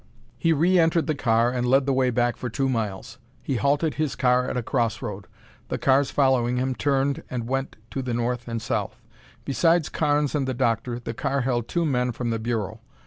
He reentered the car and led the way back for two miles. He halted his car at a crossroad. The cars following him turned and went to the north and south. Besides Carnes and the doctor, the car held two men from the Bureau.